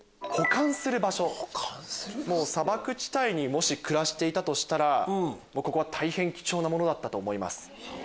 砂漠地帯にもし暮らしていたとしたらここは大変貴重だったと思います。